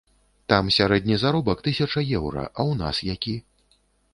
Там сярэдні заробак тысяча еўра, а ў нас які?